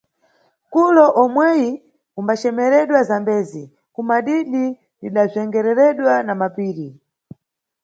Nkulo umweyi umbacemeredwa Zambezi, kumadidi lidazvengereredwa na mapiri.